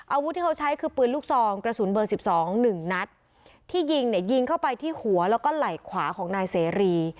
อาวุธที่เขาใช้คือปืนลูกซองกระสุนเบอร์สิบสองหนึ่งนัดที่ยิงเนี่ยยิงเข้าไปที่หัวแล้วก็ไหล่ขวาของนายเสรี